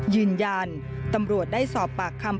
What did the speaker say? ยืนยันตำรวจได้สอบปากคำ